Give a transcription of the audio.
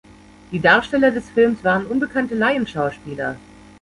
Die Darsteller des Films waren unbekannte Laienschauspieler.